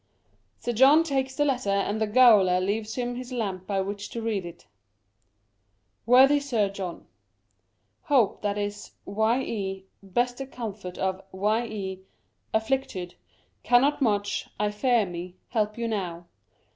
Sir John takes the letter, and the gaoler leaves him his lamp by which to read it : WORTHIE Sir John — Hope, that is y* beste comfort of y® afflictyd, cannot much, I fear me, help you now.